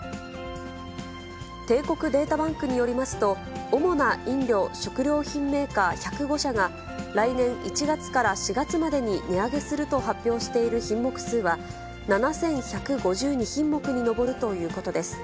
帝国データバンクによりますと、主な飲料、食料品メーカー１０５社が、来年１月から４月までに値上げすると発表している品目数は、７１５２品目に上るということです。